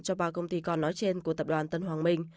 cho ba công ty con nói trên của tập đoàn tân hoàng minh